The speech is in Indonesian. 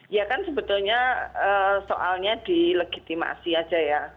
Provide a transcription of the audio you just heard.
ya kan sebetulnya soalnya di legitimasi aja ya